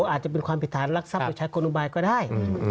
อาจจะเป็นความผิดฐานลักทรัพย์ประชาชนกรุงบายก็ได้